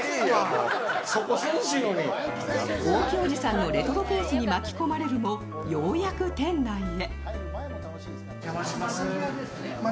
大木おじさんのレトロペースに巻き込まれるも、ようやく店内へ。